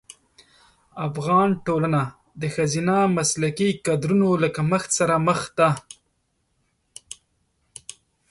افغان ټولنه د ښځینه مسلکي کدرونو له کمښت سره مخ ده.